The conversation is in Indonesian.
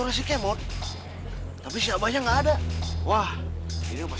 wah ini pasti ada yang beres